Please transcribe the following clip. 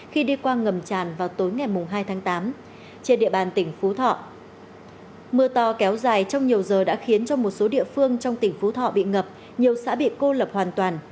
khi đi qua ngầm tràn vào tối ngày hai tháng tám trên địa bàn tỉnh phú thọ mưa to kéo dài trong nhiều giờ đã khiến cho một số địa phương trong tỉnh phú thọ bị ngập nhiều xã bị cô lập hoàn toàn